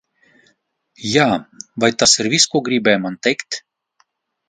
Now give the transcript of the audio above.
Jā, vai tas ir viss, ko gribēji man teikt?